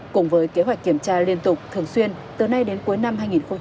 cùng với kế hoạch kiểm tra liên tục thường xuyên từ nay đến cuối năm hai nghìn hai mươi